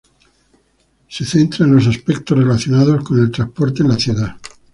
Se centra en los aspectos relacionados con el transporte en la ciudad.